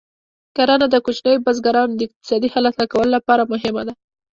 کرنه د کوچنیو بزګرانو د اقتصادي حالت ښه کولو لپاره مهمه ده.